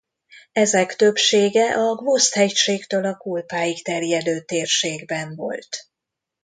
Ezek többsége a Gvozd-hegységtől a Kulpáig terjedő térségben volt.